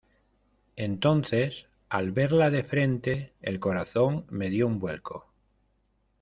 entonces, al verla de frente , el corazón me dió un vuelco.